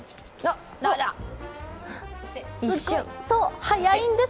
そう、速いんです。